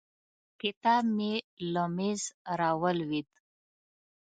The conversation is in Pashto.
کتاب مې له مېز راولوېد.